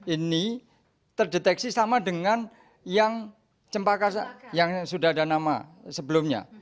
ini terdeteksi sama dengan yang sudah ada nama sebelumnya